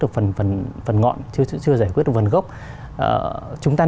được phần ngọn chưa giải quyết được phần gốc